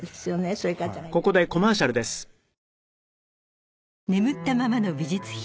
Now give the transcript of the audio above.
そういう方がいらしてね。